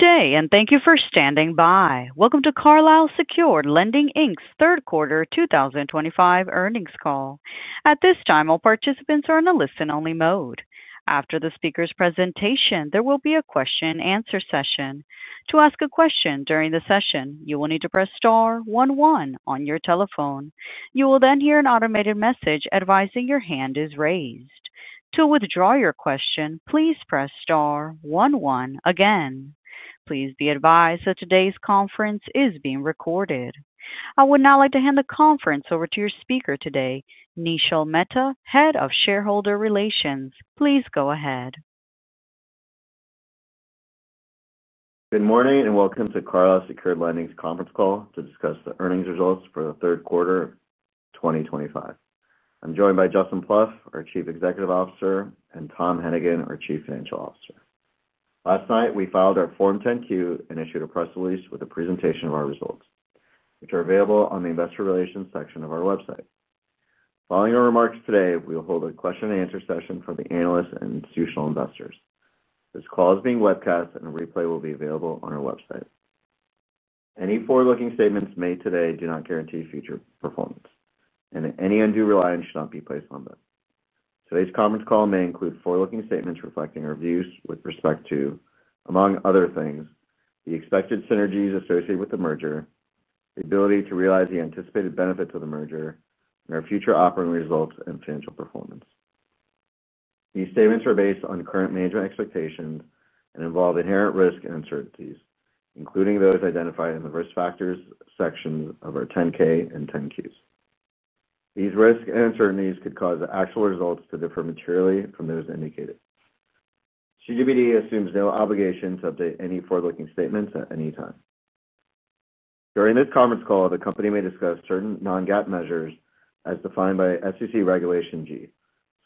Good day, and thank you for standing by. Welcome to Carlyle Secured Lending Inc third quarter 2025 earnings call. At this time, all participants are in the listen-only mode. After the speaker's presentation, there will be a question-and-answer session. To ask a question during the session, you will need to press star one one on your telephone. You will then hear an automated message advising your hand is raised. To withdraw your question, please press star one one again. Please be advised that today's conference is being recorded. I would now like to hand the conference over to your speaker today, Nishil Mehta, Head of Shareholder Relations. Please go ahead. Good morning and welcome to Carlyle Secured Lending's conference call to discuss the earnings results for the third quarter of 2025. I'm joined by Justin Plouffe, our Chief Executive Officer, and Tom Hennigan, our Chief Financial Officer. Last night, we filed our Form 10Q and issued a press release with a presentation of our results, which are available on the investor relations section of our website. Following our remarks today, we will hold a question-and-answer session for the analysts and institutional investors. This call is being webcast, and a replay will be available on our website. Any forward-looking statements made today do not guarantee future performance, and any undue reliance should not be placed on them. Today's conference call may include forward-looking statements reflecting our views with respect to, among other things, the expected synergies associated with the merger, the ability to realize the anticipated benefits of the merger, and our future operating results and financial performance. These statements are based on current management expectations and involve inherent risk and uncertainties, including those identified in the risk factors sections of our 10K and 10Qs. These risks and uncertainties could cause actual results to differ materially from those indicated. Carlyle Secured Lending assumes no obligation to update any forward-looking statements at any time. During this conference call, the company may discuss certain non-GAAP measures as defined by SEC Regulation G,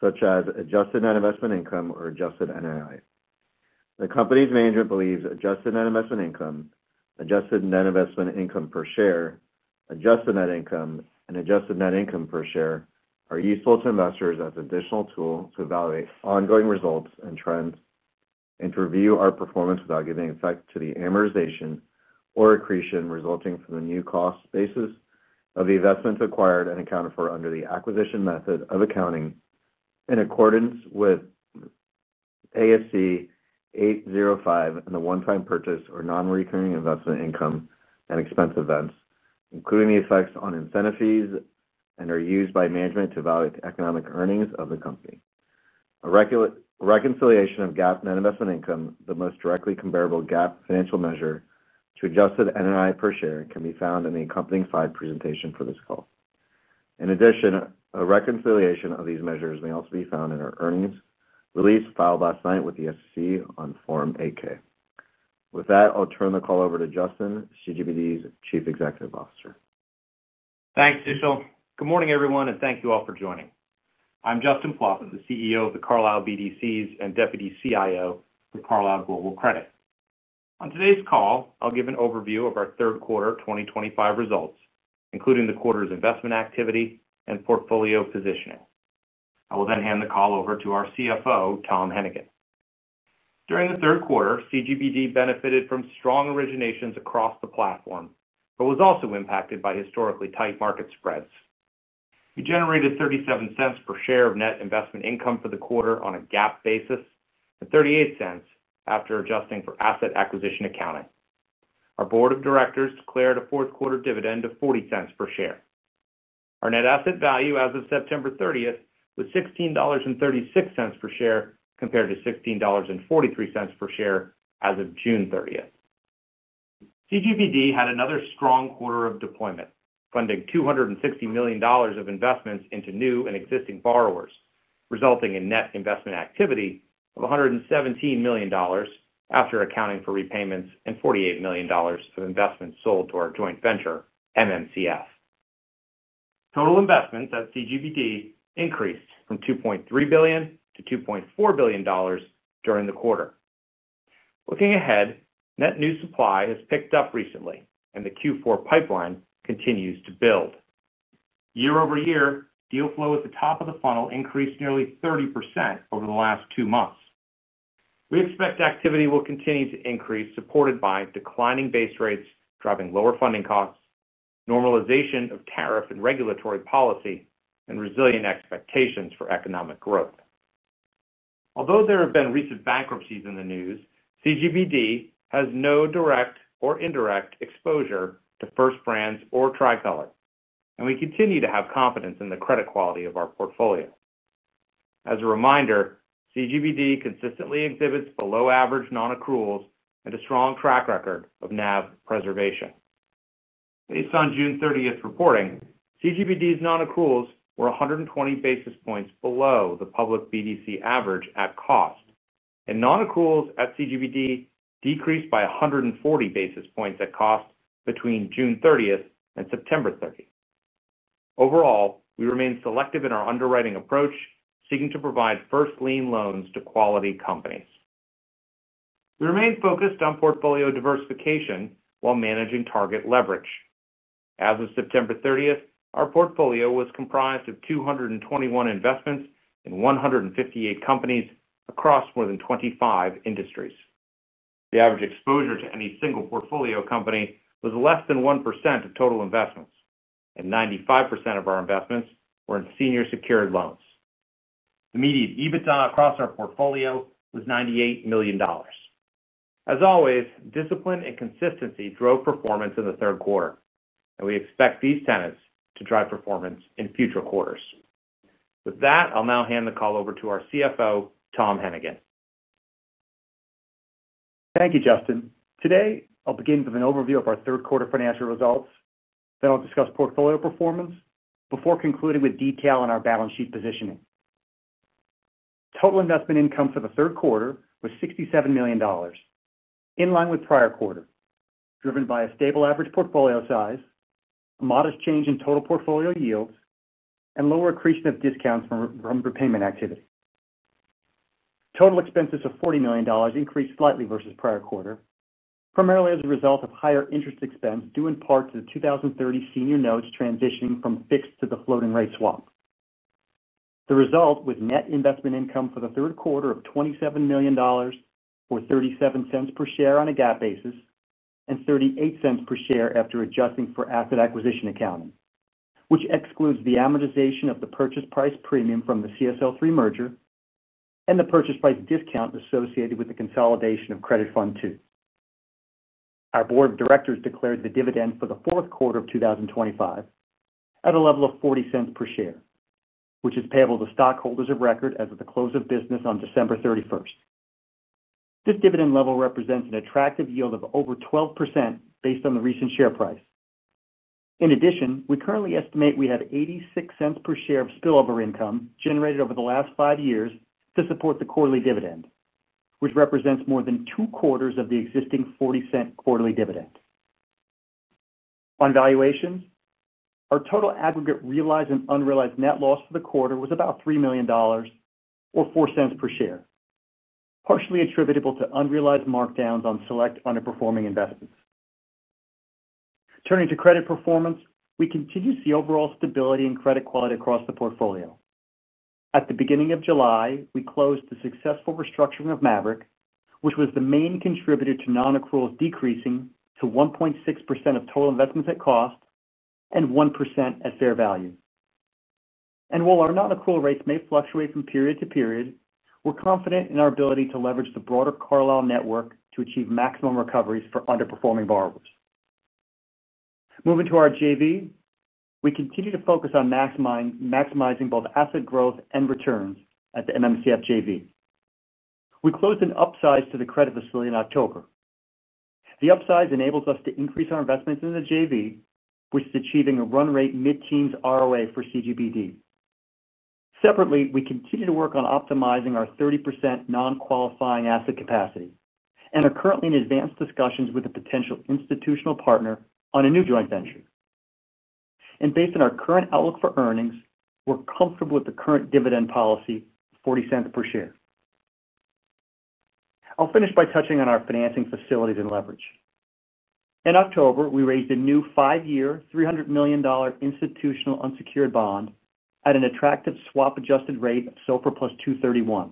such as adjusted net investment income or adjusted NII. The company's management believes adjusted net investment income, adjusted net investment income per share, adjusted net income, and adjusted net income per share are useful to investors as an additional tool to evaluate ongoing results and trends. To review our performance without giving effect to the amortization or accretion resulting from the new cost basis of the investments acquired and accounted for under the acquisition method of accounting in accordance with ASC 805 and the one-time purchase or non-recurring investment income and expense events, including the effects on incentive fees, and are used by management to evaluate the economic earnings of the company. A reconciliation of GAAP net investment income, the most directly comparable GAAP financial measure to adjusted NII per share, can be found in the accompanying slide presentation for this call. In addition, a reconciliation of these measures may also be found in our earnings release filed last night with the SEC on Form 8K. With that, I'll turn the call over to Justin, CGBD's Chief Executive Officer. Thanks, Nishil. Good morning, everyone, and thank you all for joining. I'm Justin Plouffe, the CEO of the Carlyle BDCs and deputy CIO for Carlyle Global Credit. On today's call, I'll give an overview of our third quarter 2025 results, including the quarter's investment activity and portfolio positioning. I will then hand the call over to our CFO, Tom Hennigan. During the third quarter, CGBD benefited from strong originations across the platform but was also impacted by historically tight market spreads. We generated $0.37 per share of net investment income for the quarter on a GAAP basis and $0.38 after adjusting for asset acquisition accounting. Our board of directors declared a fourth-quarter dividend of $0.40 per share. Our net asset value as of September 30 was $16.36 per share compared to $16.43 per share as of June 30. CGBD had another strong quarter of deployment, funding $260 million of investments into new and existing borrowers, resulting in net investment activity of $117 million after accounting for repayments and $48 million of investments sold to our joint venture, MMCF. Total investments at CGBD increased from $2.3 billion to $2.4 billion during the quarter. Looking ahead, net new supply has picked up recently, and the Q4 pipeline continues to build. Year over year, deal flow at the top of the funnel increased nearly 30% over the last two months. We expect activity will continue to increase, supported by declining base rates, driving lower funding costs, normalization of tariff and regulatory policy, and resilient expectations for economic growth. Although there have been recent bankruptcies in the news, CGBD has no direct or indirect exposure to First Brands or TriColor, and we continue to have confidence in the credit quality of our portfolio. As a reminder, CGBD consistently exhibits below-average non-accruals and a strong track record of NAV preservation. Based on June 30 reporting, CGBD's non-accruals were 120 basis points below the public BDC average at cost, and non-accruals at CGBD decreased by 140 basis points at cost between June 30 and September 30. Overall, we remain selective in our underwriting approach, seeking to provide first lien loans to quality companies. We remain focused on portfolio diversification while managing target leverage. As of September 30, our portfolio was comprised of 221 investments in 158 companies across more than 25 industries. The average exposure to any single portfolio company was less than 1% of total investments, and 95% of our investments were in senior secured loans. The median EBITDA across our portfolio was $98 million. As always, discipline and consistency drove performance in the third quarter, and we expect these tenets to drive performance in future quarters. With that, I'll now hand the call over to our CFO, Tom Hennigan. Thank you, Justin. Today, I'll begin with an overview of our third-quarter financial results. Then I'll discuss portfolio performance before concluding with detail on our balance sheet positioning. Total investment income for the third quarter was $67 million, in line with prior quarter, driven by a stable average portfolio size, a modest change in total portfolio yields, and lower accretion of discounts from repayment activity. Total expenses of $40 million increased slightly versus prior quarter, primarily as a result of higher interest expense due in part to the 2030 senior notes transitioning from fixed to the floating rate swap. The result was net investment income for the third quarter of $27 million, or $0.37 per share on a GAAP basis and $0.38 per share after adjusting for asset acquisition accounting, which excludes the amortization of the purchase price premium from the CSL3 merger and the purchase price discount associated with the consolidation of Credit Fund 2. Our board of directors declared the dividend for the fourth quarter of 2025 at a level of $0.40 per share, which is payable to stockholders of record as of the close of business on December 31st. This dividend level represents an attractive yield of over 12% based on the recent share price. In addition, we currently estimate we have $0.86 per share of spillover income generated over the last five years to support the quarterly dividend, which represents more than two quarters of the existing $0.40 quarterly dividend. On valuations, our total aggregate realized and unrealized net loss for the quarter was about $3 million, or $0.04 per share, partially attributable to unrealized markdowns on select underperforming investments. Turning to credit performance, we continue to see overall stability in credit quality across the portfolio. At the beginning of July, we closed the successful restructuring of Maverick, which was the main contributor to non-accruals decreasing to 1.6% of total investments at cost and 1% at fair value. While our non-accrual rates may fluctuate from period to period, we're confident in our ability to leverage the broader Carlyle network to achieve maximum recoveries for underperforming borrowers. Moving to our JV, we continue to focus on maximizing both asset growth and returns at the MMCF JV. We closed an upsize to the credit facility in October. The upsize enables us to increase our investments in the JV, which is achieving a run-rate mid-teens ROA for CGBD. Separately, we continue to work on optimizing our 30% non-qualifying asset capacity and are currently in advanced discussions with a potential institutional partner on a new joint venture. Based on our current outlook for earnings, we're comfortable with the current dividend policy, $0.40 per share. I'll finish by touching on our financing facilities and leverage. In October, we raised a new five-year, $300 million institutional unsecured bond at an attractive swap-adjusted rate of SOFR plus 231.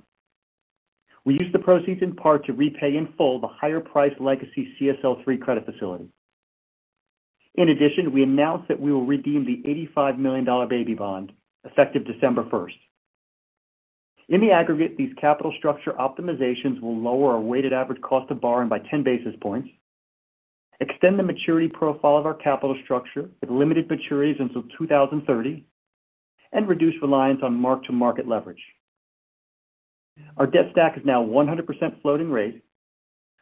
We used the proceeds in part to repay in full the higher-priced legacy CSL3 credit facility. In addition, we announced that we will redeem the $85 million baby bond effective December 1st. In the aggregate, these capital structure optimizations will lower our weighted average cost of borrowing by 10 basis points, extend the maturity profile of our capital structure with limited maturities until 2030, and reduce reliance on mark-to-market leverage. Our debt stack is now 100% floating rate,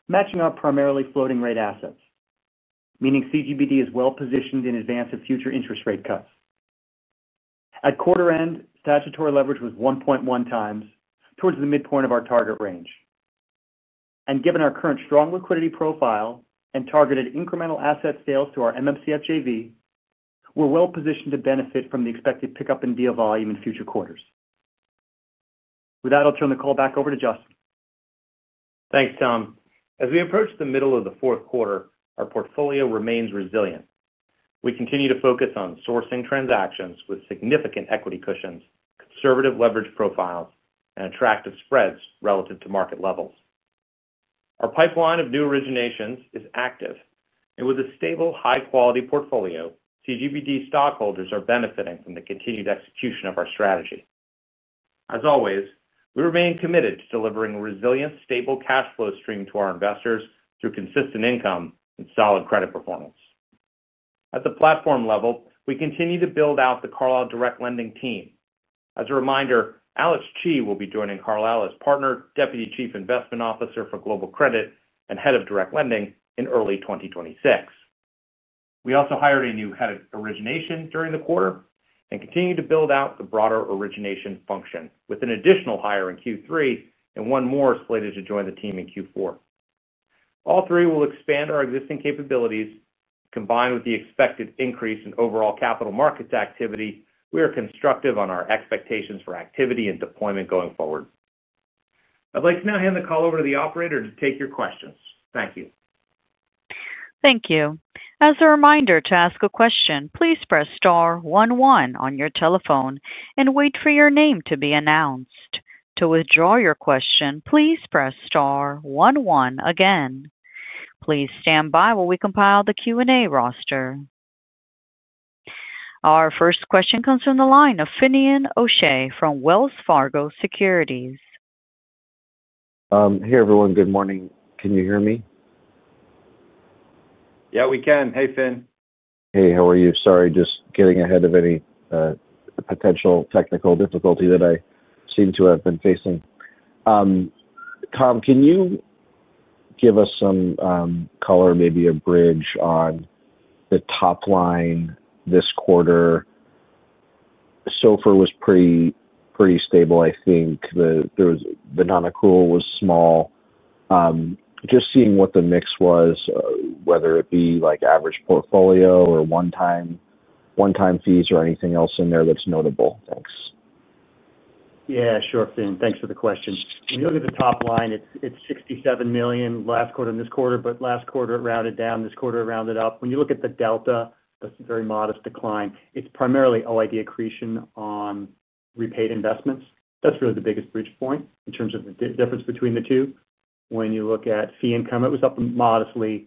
matching our primarily floating-rate assets, meaning CGBD is well-positioned in advance of future interest rate cuts. At quarter-end, statutory leverage was 1.1 times towards the midpoint of our target range. Given our current strong liquidity profile and targeted incremental asset sales to our MMCF JV, we are well-positioned to benefit from the expected pickup in deal volume in future quarters. With that, I'll turn the call back over to Justin. Thanks, Tom. As we approach the middle of the fourth quarter, our portfolio remains resilient. We continue to focus on sourcing transactions with significant equity cushions, conservative leverage profiles, and attractive spreads relative to market levels. Our pipeline of new originations is active, and with a stable, high-quality portfolio, CGBD stockholders are benefiting from the continued execution of our strategy. As always, we remain committed to delivering a resilient, stable cash flow stream to our investors through consistent income and solid credit performance. At the platform level, we continue to build out the Carlyle Direct Lending team. As a reminder, Alex Chee will be joining Carlyle as Partner, Deputy Chief Investment Officer for Global Credit, and Head of Direct Lending in early 2026. We also hired a new Head of Origination during the quarter and continue to build out the broader origination function with an additional hire in Q3 and one more slated to join the team in Q4. All three will expand our existing capabilities. Combined with the expected increase in overall capital markets activity, we are constructive on our expectations for activity and deployment going forward. I'd like to now hand the call over to the operator to take your questions. Thank you. Thank you. As a reminder to ask a question, please press star one one on your telephone and wait for your name to be announced. To withdraw your question, please press star one one again. Please stand by while we compile the Q&A roster. Our first question comes from the line of Finian O'Shea from Wells Fargo Securities. Hey, everyone. Good morning. Can you hear me? Yeah, we can. Hey, Finian. Hey, how are you? Sorry, just getting ahead of any potential technical difficulty that I seem to have been facing. Tom, can you give us some color, maybe a bridge on the top line this quarter? SOFR was pretty stable, I think. The non-accrual was small. Just seeing what the mix was, whether it be average portfolio or one-time fees or anything else in there that's notable. Thanks. Yeah, sure, Finian. Thanks for the question. When you look at the top line, it's $67 million last quarter and this quarter, but last quarter rounded down, this quarter rounded up. When you look at the delta, that's a very modest decline. It's primarily OID accretion on repaid investments. That's really the biggest bridge point in terms of the difference between the two. When you look at fee income, it was up modestly.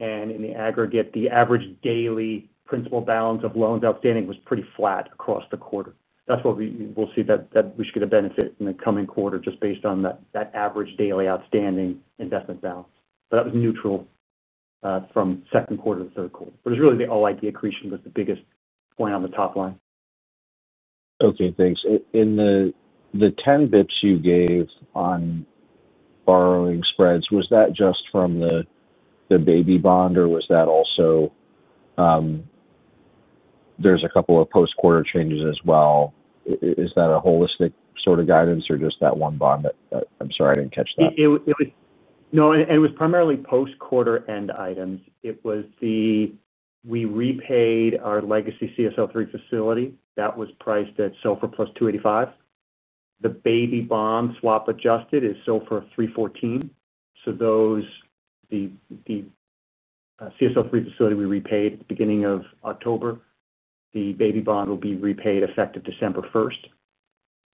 In the aggregate, the average daily principal balance of loans outstanding was pretty flat across the quarter. That's why we'll see that we should get a benefit in the coming quarter just based on that average daily outstanding investment balance. That was neutral from second quarter to third quarter. It's really the OID accretion that was the biggest point on the top line. Okay, thanks. In the 10 basis points you gave on borrowing spreads, was that just from the baby bond, or was that also, there's a couple of post-quarter changes as well? Is that a holistic sort of guidance or just that one bond? I'm sorry, I didn't catch that. No, and it was primarily post-quarter end items. It was the. We repaid our legacy CSL3 facility. That was priced at SOFR plus 285. The baby bond swap adjusted is SOFR 314. The. CSL3 facility we repaid at the beginning of October, the baby bond will be repaid effective December 1.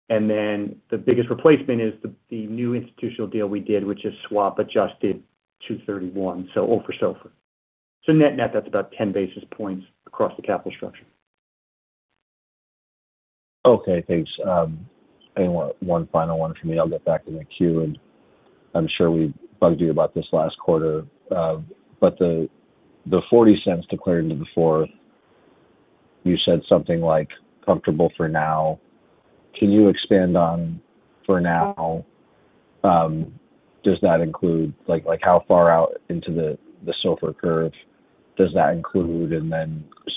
The biggest replacement is the new institutional deal we did, which is swap adjusted 231, so over SOFR. Net-net, that's about 10 basis points across the capital structure. Okay, thanks. One final one for me. I'll get back in the queue, and I'm sure we bugged you about this last quarter. The $0.40 declared into the fourth, you said something like comfortable for now. Can you expand on for now? Does that include how far out into the SOFR curve that includes?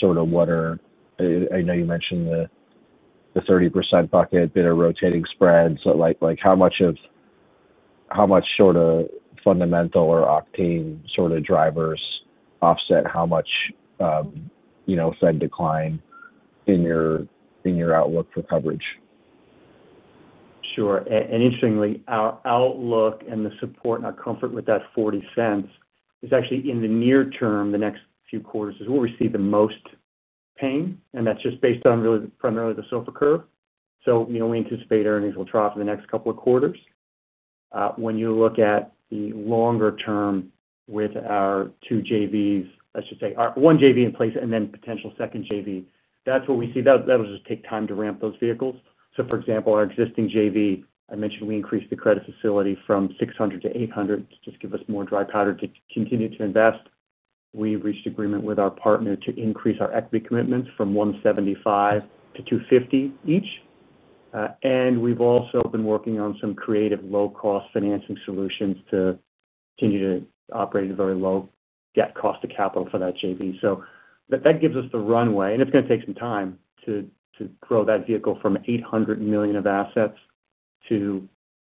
What are—I know you mentioned the 30% bucket, bit of rotating spreads. How much sort of fundamental or octane sort of drivers offset how much Fed decline in your outlook for coverage? We have also been working on some creative low-cost financing solutions to continue to operate at a very low debt cost to capital for that JV. That gives us the runway. It is going to take some time to grow that vehicle from $800 million of assets to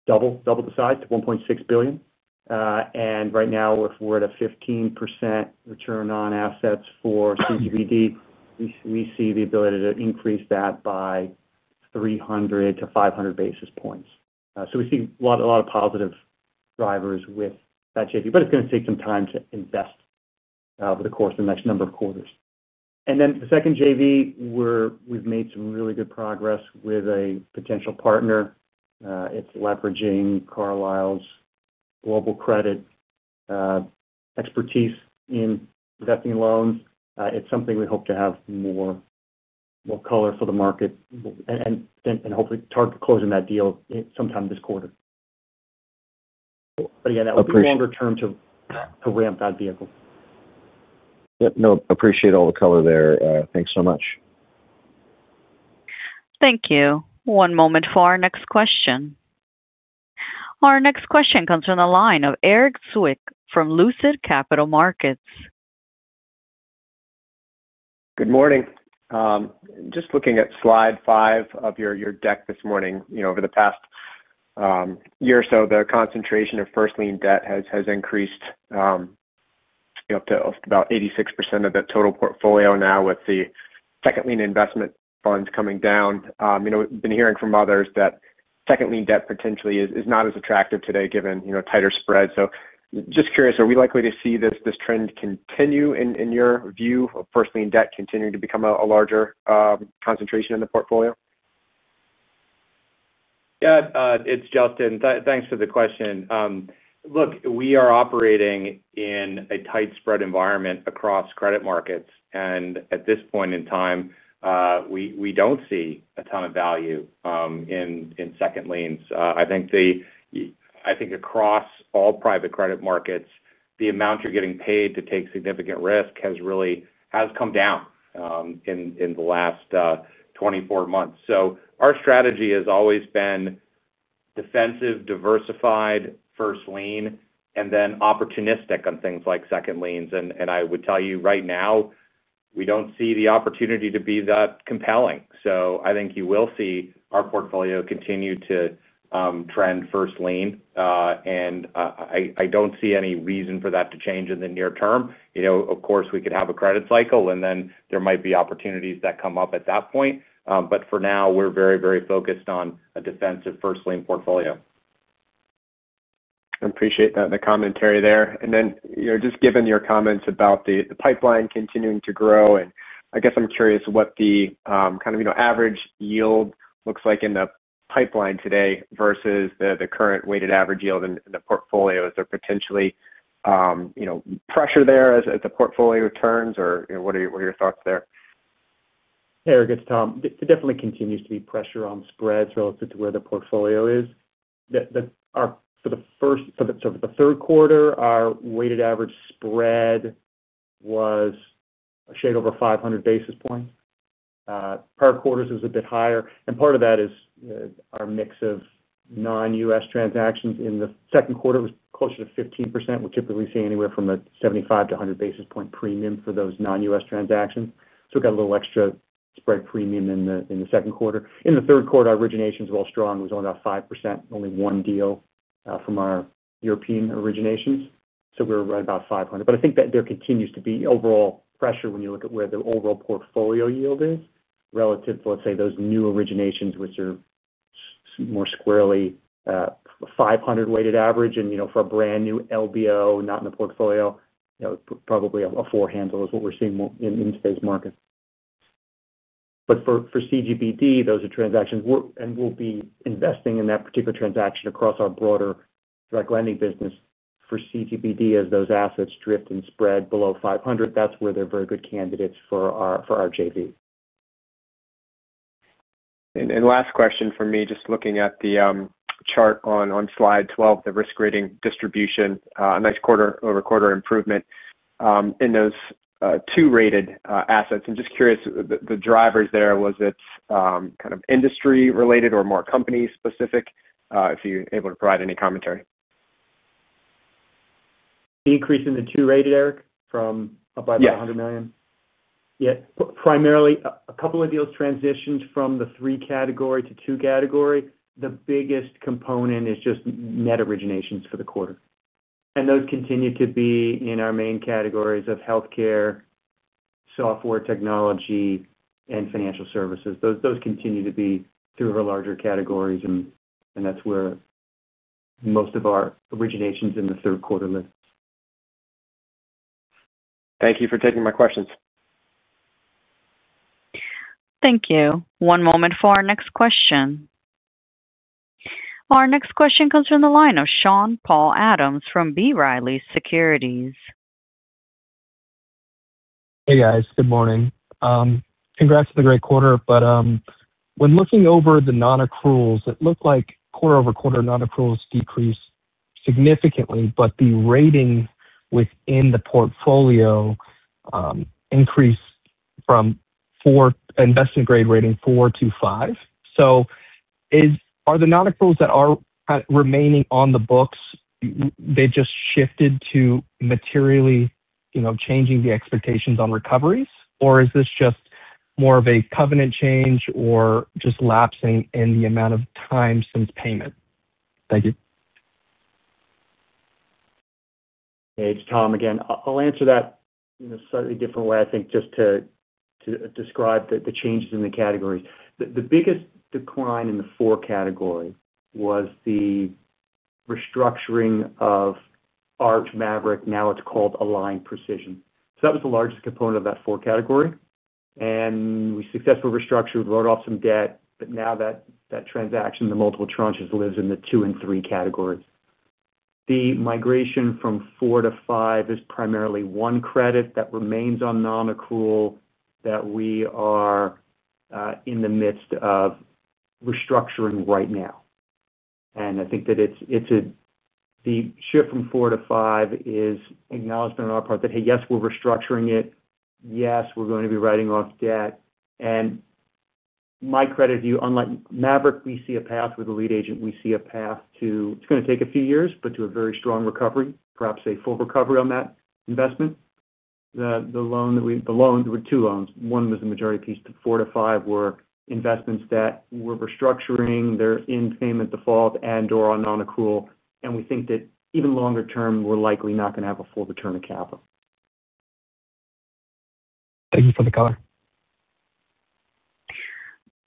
double the size to $1.6 billion. Right now, if we are at a 15% return on assets for CGBD, we see the ability to increase that by 300-500 basis points. We see a lot of positive drivers with that JV, but it is going to take some time to invest over the course of the next number of quarters. The second JV, we have made some really good progress with a potential partner. It is leveraging Carlyle's global credit expertise in investing in loans. It is something we hope to have more color for the market. Hopefully target closing that deal sometime this quarter. Again, that would be longer term to ramp that vehicle. Yep. No, appreciate all the color there. Thanks so much. Thank you. One moment for our next question. Our next question comes from the line of Erik Zwick from Lucid Capital Markets. Good morning. Just looking at slide five of your deck this morning, over the past year or so, the concentration of first lien debt has increased up to about 86% of the total portfolio now with the second lien investment funds coming down. We've been hearing from others that second lien debt potentially is not as attractive today given tighter spreads. Just curious, are we likely to see this trend continue in your view of first lien debt continuing to become a larger concentration in the portfolio? Yeah, it's Justin. Thanks for the question. Look, we are operating in a tight spread environment across credit markets. At this point in time, we do not see a ton of value in second liens. I think across all private credit markets, the amount you are getting paid to take significant risk has really come down in the last 24 months. Our strategy has always been defensive, diversified, first lien, and then opportunistic on things like second liens. I would tell you right now, we do not see the opportunity to be that compelling. I think you will see our portfolio continue to trend first lien, and I do not see any reason for that to change in the near term. Of course, we could have a credit cycle, and then there might be opportunities that come up at that point. For now, we're very, very focused on a defensive first lien portfolio. I appreciate the commentary there. Then just given your comments about the pipeline continuing to grow, I guess I'm curious what the kind of average yield looks like in the pipeline today versus the current weighted average yield in the portfolio. Is there potentially pressure there as the portfolio turns? What are your thoughts there? Hey, it's Tom. There definitely continues to be pressure on spreads relative to where the portfolio is. For the third quarter, our weighted average spread was a shade over 500 basis points. Prior quarters, it was a bit higher. Part of that is our mix of non-U.S. transactions. In the second quarter, it was closer to 15%. We're typically seeing anywhere from a 75-100 basis point premium for those non-U.S. transactions. We got a little extra spread premium in the second quarter. In the third quarter, our originations were all strong. It was only about 5%, only one deal from our European originations. We were right about 500. I think that there continues to be overall pressure when you look at where the overall portfolio yield is relative to, let's say, those new originations, which are more squarely 500 weighted average. For a brand new LBO not in the portfolio, probably a 4 handle is what we're seeing in today's market. For CGBD, those are transactions and we'll be investing in that particular transaction across our broader direct lending business. For CGBD, as those assets drift and spread below 500, that's where they're very good candidates for our JV. Last question for me, just looking at the chart on slide 12, the risk rating distribution, a nice quarter-over-quarter improvement in those two-rated assets. I'm just curious, the drivers there, was it kind of industry-related or more company-specific? If you're able to provide any commentary. Decrease in the two-rated, Eric, from up by about $100 million? Yeah. Yeah. Primarily, a couple of deals transitioned from the three category to two category. The biggest component is just net originations for the quarter. Those continue to be in our main categories of healthcare, software, technology, and financial services. Those continue to be our larger categories. That is where most of our originations in the third quarter live. Thank you for taking my questions. Thank you. One moment for our next question. Our next question comes from the line of Sean Paul Adams from B. Riley Securities. Hey, guys. Good morning. Congrats on the great quarter. When looking over the non-accruals, it looked like quarter-over-quarter non-accruals decreased significantly, but the rating within the portfolio increased from investment-grade rating 4 to 5. Are the non-accruals that are remaining on the books, they just shifted to materially changing the expectations on recoveries? Or is this just more of a covenant change or just lapsing in the amount of time since payment? Thank you. Hey, it's Tom again. I'll answer that. In a slightly different way, I think, just to describe the changes in the categories. The biggest decline in the four category was the restructuring of Arch Maverick. Now it's called Align Precision. So that was the largest component of that four category. And we successfully restructured, wrote off some debt, but now that transaction, the multiple tranches, lives in the two and three categories. The migration from four to five is primarily one credit that remains on non-accrual that we are in the midst of restructuring right now. I think that it's a shift from four to five is acknowledgement on our part that, hey, yes, we're restructuring it. Yes, we're going to be writing off debt. My credit view, unlike Maverick, we see a path with the lead agent. We see a path to, it's going to take a few years, but to a very strong recovery, perhaps a full recovery on that investment. The loan that we—the loan, there were two loans. One was the majority piece. Four to five were investments that were restructuring. They're in payment default and/or on non-accrual. We think that even longer term, we're likely not going to have a full return of capital. Thank you for the color.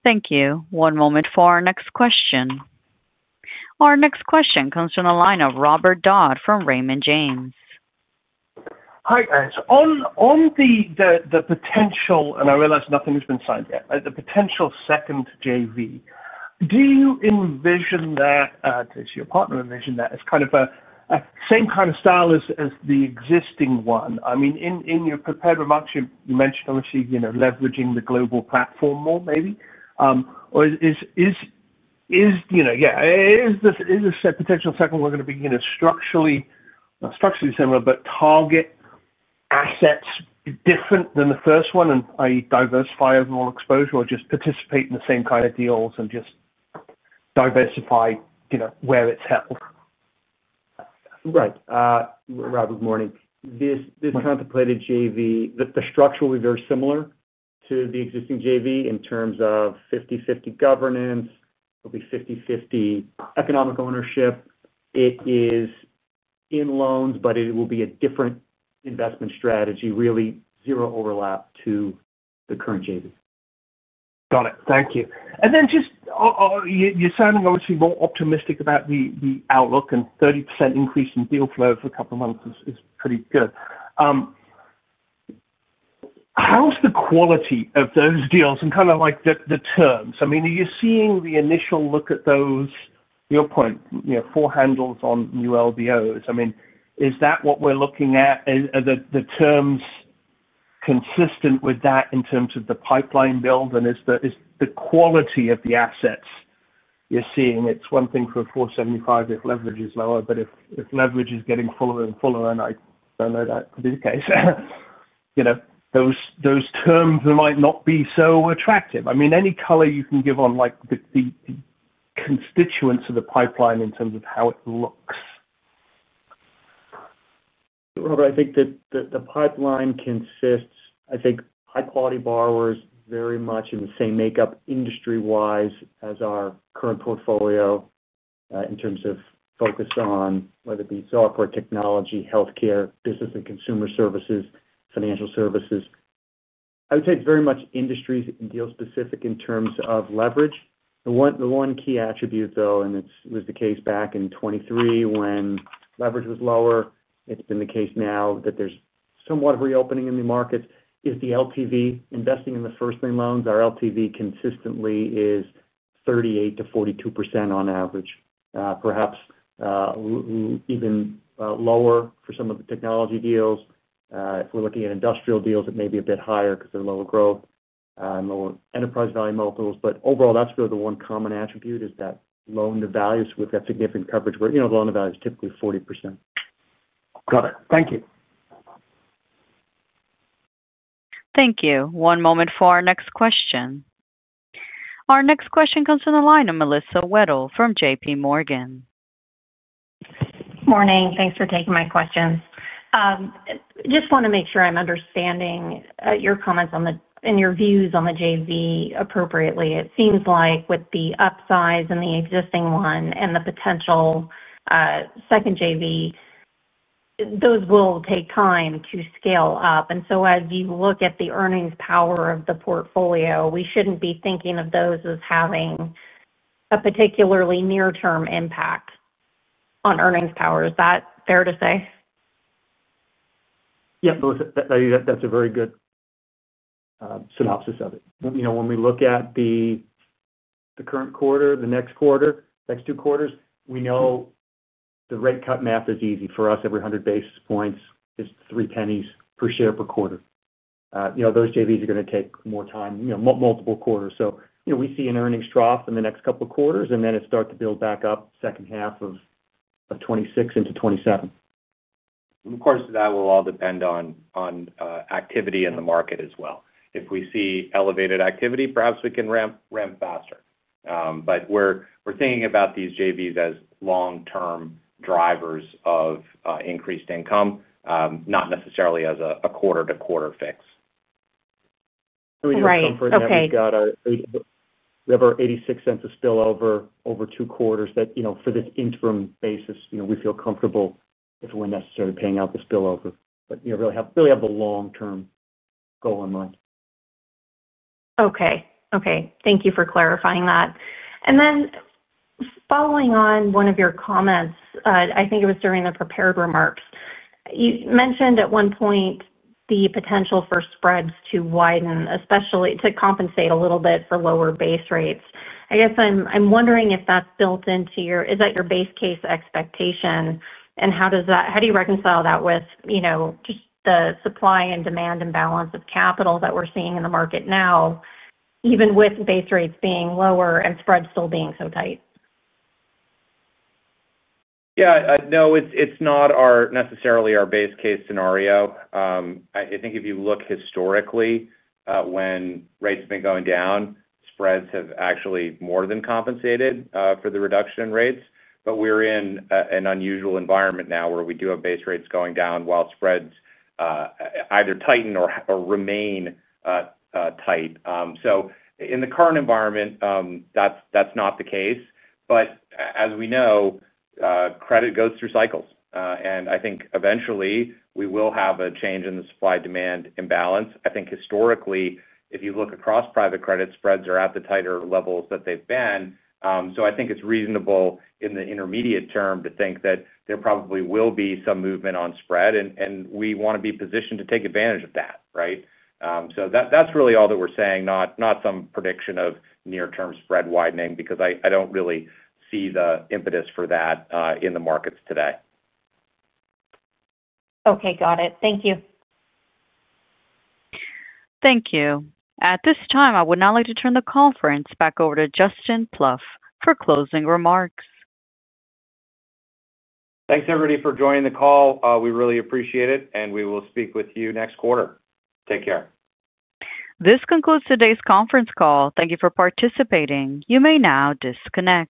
Thank you. One moment for our next question. Our next question comes from the line of Robert Dodd from Raymond James. Hi. On the potential—and I realize nothing has been signed yet—the potential second JV, do you envision that—at least your partner envisioned that—as kind of a same kind of style as the existing one? I mean, in your prepared remarks, you mentioned obviously leveraging the global platform more, maybe. Or is—yeah. Is this potential second one going to be structurally similar but target assets different than the first one? And i.e., diversify overall exposure or just participate in the same kind of deals and just diversify where it's helpful? Right. Rob, good morning. This contemplated JV, the structure will be very similar to the existing JV in terms of 50/50 governance. It'll be 50/50 economic ownership. It is in loans, but it will be a different investment strategy, really zero overlap to the current JV. Got it. Thank you. And then just. You're sounding obviously more optimistic about the outlook, and 30% increase in deal flow for a couple of months is pretty good. How's the quality of those deals and kind of like the terms? I mean, are you seeing the initial look at those—your point—four handles on new LBOs? I mean, is that what we're looking at? Are the terms. Consistent with that in terms of the pipeline build? And is the quality of the assets you're seeing—it's one thing for a 475 if leverage is lower, but if leverage is getting fuller and fuller, and I don't know that to be the case. Those terms might not be so attractive. I mean, any color you can give on the. Constituents of the pipeline in terms of how it looks? Robert, I think that the pipeline consists, I think, high-quality borrowers very much in the same makeup industry-wise as our current portfolio. In terms of focus on whether it be software technology, healthcare, business and consumer services, financial services. I would say it is very much industries and deal-specific in terms of leverage. The one key attribute, though, and it was the case back in 2023 when leverage was lower, it has been the case now that there is somewhat of a reopening in the markets. Is the LTV investing in the first lien loans, our LTV consistently is 38-42% on average, perhaps even lower for some of the technology deals. If we are looking at industrial deals, it may be a bit higher because of lower growth and lower enterprise value multiples. Overall, that's really the one common attribute is that loan-to-value, so we've got significant coverage where the loan-to-value is typically 40%. Got it. Thank you. Thank you. One moment for our next question. Our next question comes from the line of Melissa Wedel from J.P. Morgan. Morning. Thanks for taking my questions. Just want to make sure I'm understanding your comments and your views on the JV appropriately. It seems like with the upsize in the existing one and the potential second JV, those will take time to scale up. As you look at the earnings power of the portfolio, we shouldn't be thinking of those as having a particularly near-term impact on earnings power. Is that fair to say? Yeah. That's a very good synopsis of it. When we look at the current quarter, the next quarter, next two quarters, we know the rate cut math is easy for us. Every 100 basis points is three pennies per share per quarter. Those JVs are going to take more time, multiple quarters. We see an earnings trough in the next couple of quarters, and then it starts to build back up second half of 2026 into 2027. Of course, that will all depend on activity in the market as well. If we see elevated activity, perhaps we can ramp faster. We are thinking about these JVs as long-term drivers of increased income, not necessarily as a quarter-to-quarter fix. We just confirm that we've got our $0.86 of spillover over two quarters. For this interim basis, we feel comfortable if we're necessarily paying out the spillover, but really have a long-term goal in mind. Okay. Thank you for clarifying that. Then, following on one of your comments, I think it was during the prepared remarks, you mentioned at one point the potential for spreads to widen, especially to compensate a little bit for lower base rates. I guess I'm wondering if that's built into your—is that your base case expectation? How do you reconcile that with just the supply and demand imbalance of capital that we're seeing in the market now, even with base rates being lower and spreads still being so tight? Yeah. No, it's not necessarily our base case scenario. I think if you look historically, when rates have been going down, spreads have actually more than compensated for the reduction in rates. We are in an unusual environment now where we do have base rates going down while spreads either tighten or remain tight. In the current environment, that's not the case. As we know, credit goes through cycles. I think eventually we will have a change in the supply-demand imbalance. I think historically, if you look across private credit, spreads are at the tighter levels that they've been. I think it's reasonable in the intermediate term to think that there probably will be some movement on spread. We want to be positioned to take advantage of that, right? That's really all that we're saying, not some prediction of near-term spread widening because I don't really see the impetus for that in the markets today. Okay. Got it. Thank you. Thank you. At this time, I would now like to turn the conference back over to Justin Plouffe for closing remarks. Thanks, everybody, for joining the call. We really appreciate it. We will speak with you next quarter. Take care. This concludes today's conference call. Thank you for participating. You may now disconnect.